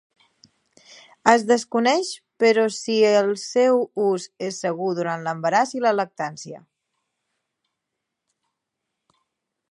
Es desconeix però si el seu ús és segur durant l'embaràs i la lactància.